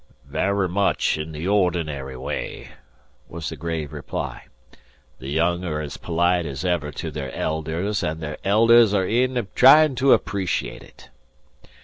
"Vara much in the ordinary way," was the grave reply. "The young are as polite as ever to their elders, an' their elders are e'en tryin' to appreciate it."